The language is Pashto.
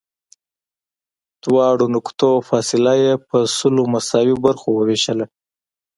دواړو نقطو فاصله یې په سلو مساوي برخو ووېشله.